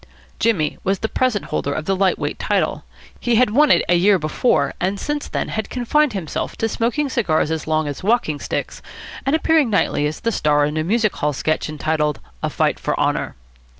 Jimmy was the present holder of the light weight title. He had won it a year before, and since then had confined himself to smoking cigars as long as walking sticks and appearing nightly as the star in a music hall sketch entitled "A Fight for Honour."